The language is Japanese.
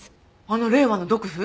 あの令和の毒婦！？